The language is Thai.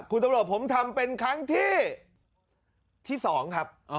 คุณตำรวจผมทำเป็นครั้งที่๒ครับ